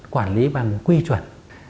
quản lý bằng quy chuẩn